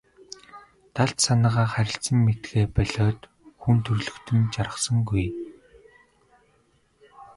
Далд санаагаа харилцан мэдэхээ болиод хүн төрөлхтөн жаргасангүй.